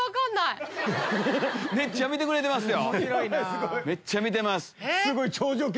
めっちゃ見てくれてますよ。